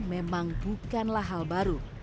memang bukanlah hal baru